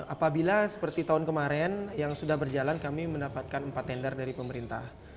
apabila seperti tahun kemarin yang sudah berjalan kami mendapatkan empat tender dari pemerintah